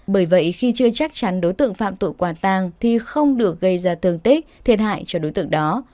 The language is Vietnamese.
bởi vậy khi chưa chắc chắn đối tượng phạm tội quả tang thì không được gây ra thương tích thiệt hại cho đối tượng đó